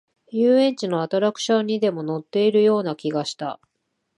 遊園地のアトラクションにでも乗っているような気がした